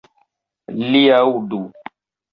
Li aŭdu!